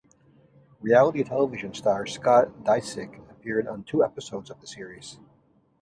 Reality television star Scott Disick appeared on two episodes of the series.